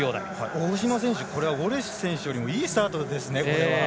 大島選手、これはウォレス選手よりもいいスタートですね。